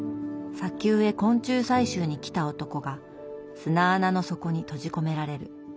砂丘へ昆虫採集に来た男が砂穴の底に閉じ込められる。